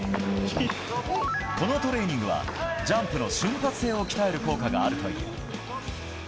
このトレーニングは、ジャンプの瞬発性を鍛える効果があるという。